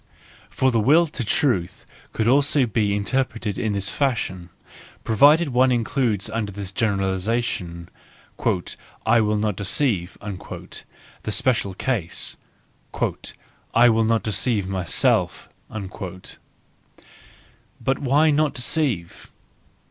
For the will to truth could also be inter¬ preted in this fashion, provided one includes under the generalisation, " I will not deceive," the special case, " I will not deceive myself." But why not deceive?